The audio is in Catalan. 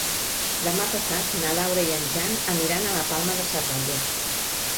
Demà passat na Laura i en Jan aniran a la Palma de Cervelló.